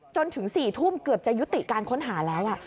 จนถึง๔ทุ่มเกือบจะยุติการค้นหาแล้ว